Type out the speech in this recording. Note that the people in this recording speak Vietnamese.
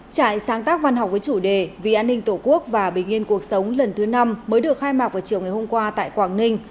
trại sáng tác văn học với chủ đề vì an ninh tổ quốc và bình yên cuộc sống lần thứ năm mới được khai mạc vào chiều ngày hôm qua tại quảng ninh